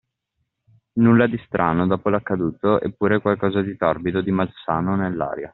Nulla di strano, dopo l'accaduto, eppure qualcosa di torbido, di malsano, nell'aria.